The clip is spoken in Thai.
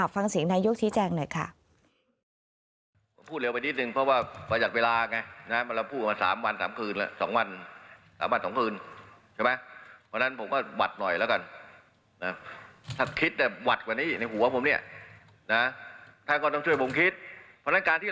ฟังเสียงนายกชี้แจงหน่อยค่ะ